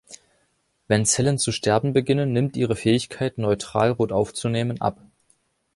Wenn Zellen zu sterben beginnen, nimmt ihre Fähigkeit, Neutralrot aufzunehmen, ab.